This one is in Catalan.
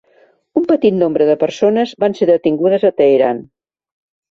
Un petit nombre de persones van ser detingudes a Teheran.